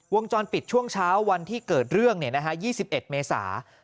วงจรปิดช่วงเช้าวันที่เกิดเรื่อง๒๑เมษา